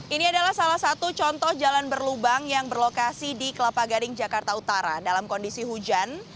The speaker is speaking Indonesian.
ini adalah salah satu contoh jalan berlubang yang berlokasi di kelapa gading jakarta utara dalam kondisi hujan